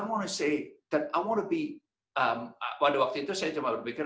ketika saya ingin menjadi saya hanya ingin berpikir